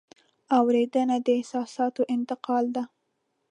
اورېدنه د احساساتو انتقال ده.